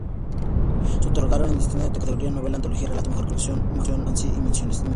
Se otorgaban en distintas categorías: Novela, Antología, Relato, Mejor colección, Mejor Fanzine, y Menciones.